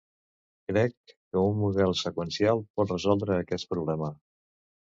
Crec que un model seqüencial pot resoldre aquest problema.